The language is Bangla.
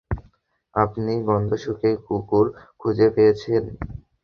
আপনি গন্ধ শুঁকেই কুকুর খুঁজে পেয়েছেন?